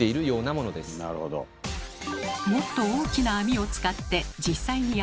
もっと大きな網を使って実際にやってみました。